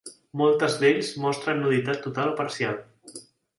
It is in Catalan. Moltes d'ells mostren nuditat total o parcial.